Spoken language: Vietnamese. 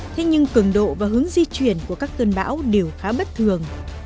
thế nhưng cường độ và hướng di chuyển của các cơn bão đều khá bất thường